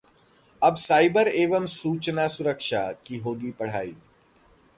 अब ‘साइबर एवं सूचना सुरक्षा’ की होगी पढ़ायी